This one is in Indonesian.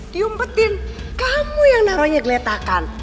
diumpetin kamu yang naro nya geletakan